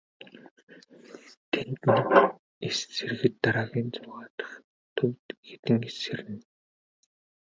Тэнд нэг эс сэрэхэд дараагийн зургаа дахь төвд хэдэн эс сэрнэ.